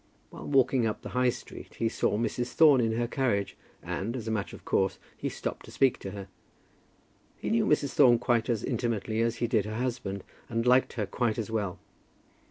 While walking up the High Street he saw Mrs. Thorne in her carriage, and, as a matter of course, he stopped to speak to her. He knew Mrs. Thorne quite as intimately as he did her husband, and liked her quite as well.